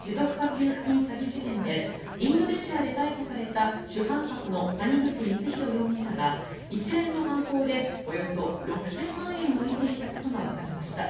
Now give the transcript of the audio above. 給付金詐欺事件でインドネシアで逮捕された主犯格の谷口光弘容疑者が一連の犯行でおよそ６０００万円を得ていたことがわかりました。